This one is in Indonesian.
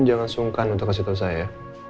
jangan sungkan untuk kasih tahu saya